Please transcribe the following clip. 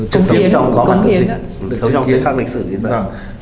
chứng kiến trong các lịch sử